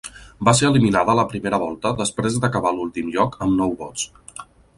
Va ser eliminada a la primera volta després d’acabar a l’últim lloc amb nou vots.